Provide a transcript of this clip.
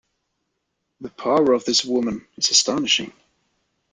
The power of this woman is astonishing.